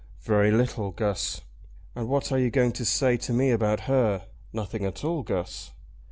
"Very little, Guss." "And what are you going to say to me about her?" "Nothing at all, Guss."